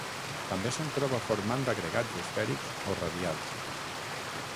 També se'n troba formant agregats esfèrics o radials.